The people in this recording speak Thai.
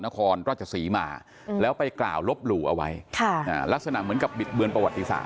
ก็จะสีมาแล้วไปกล่าวลบหลู่เอาไว้ค่ะอ่าลักษณะเหมือนกับบิดเบือนประวัติศาสตร์